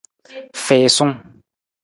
Fiisung.